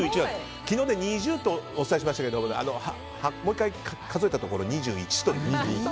昨日、２０ってお伝えしましたけどもう１回数えたところ２１ということに。